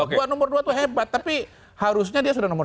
gue nomor dua itu hebat tapi harusnya dia sudah nomor satu